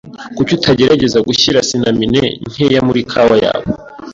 Kuki utagerageza gushyira cinamine nkeya muri kawa yawe?